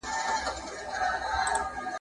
ایا شعر بايد د ټولني په کچه وويل سي؟